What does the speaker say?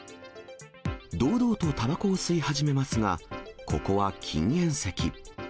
堂々とたばこを吸い始めますが、ここは禁煙席。